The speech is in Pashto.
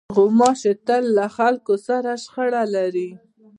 غوماشې تل له خلکو سره شخړه لري.